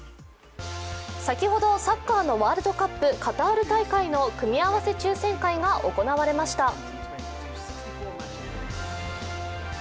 先ほど、サッカーのワールドカップカタール大会の組み合わせ抽選会が行われました。